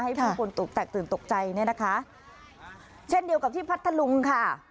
ผู้คนตกแตกตื่นตกใจเนี่ยนะคะเช่นเดียวกับที่พัทธลุงค่ะ